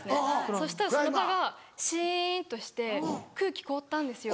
そしたらその場がシンとして空気凍ったんですよ。